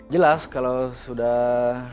jelas kalau sudah